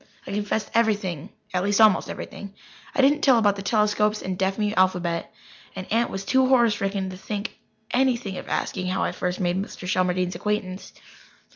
I confessed everything at least, almost everything. I didn't tell about the telescopes and deaf mute alphabet, and Aunt was too horror stricken to think of asking how I first made Mr. Shelmardine's acquaintance.